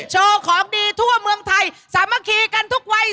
โชว์ของดีทั่วเมืองไทยสามัคคีกันทุกวัย